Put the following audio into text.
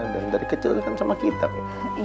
dan dari kecil kan sama kita bi